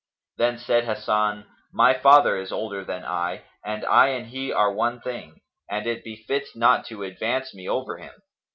Then said Hasan, "My father is older than I, and I and he are one thing; and it befits not to advance me over him."